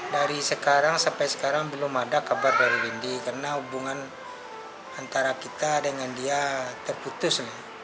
dari sekarang sampai sekarang belum ada kabar dari windy karena hubungan antara kita dengan dia terputus